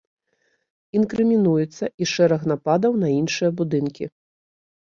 Інкрымінуецца і шэраг нападаў на іншыя будынкі.